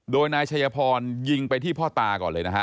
โดยนายชัยพรยิงไปที่พ่อตาก่อนเลยนะฮะ